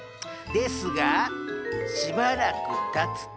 ですがしばらくたつと。